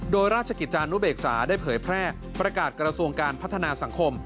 โดยราชกิจจานุเบกษาได้เผยแพร่ประกาศกระทรวงการพัฒนาสังคม